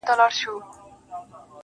پوهېږې په جنت کي به همداسي ليونی یم.